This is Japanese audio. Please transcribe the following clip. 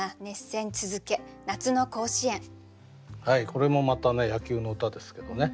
これもまた野球の歌ですけどね。